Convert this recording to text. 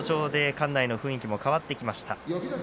館内の雰囲気が変わってきました。